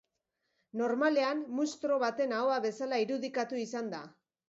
Normalean munstro baten ahoa bezala irudikatu izan da.